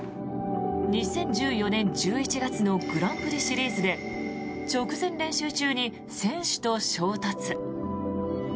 ２０１４年１１月のグランプリシリーズで直前練習中に選手と衝突。